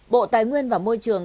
bộ tài nguyên và môi trường